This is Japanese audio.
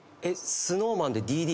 ＳｎｏｗＭａｎで『Ｄ．Ｄ．』？